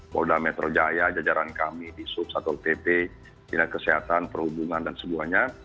polda metro jaya jajaran kami di sup satu tp tindak kesehatan perhubungan dan sebuahnya